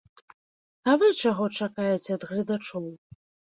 А вы чаго чакаеце ад гледачоў?